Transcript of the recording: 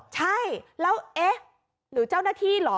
ใช่แล้วเอ๊ะหรือเจ้าหน้าที่เหรอ